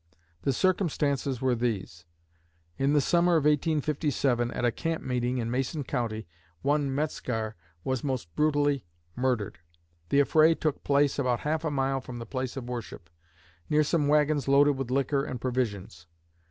The circumstances were these: "In the summer of 1857, at a camp meeting in Mason County, one Metzgar was most brutally murdered. The affray took place about half a mile from the place of worship, near some wagons loaded with liquor and provisions.